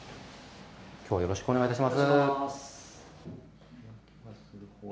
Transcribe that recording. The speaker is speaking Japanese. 今日はよろしくお願いいたします。